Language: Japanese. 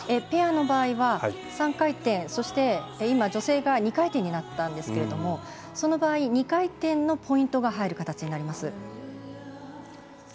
ペアの場合は３回転そして今、女性が２回転になったんですけれどもその場合、２回転のポイントが入る形になります。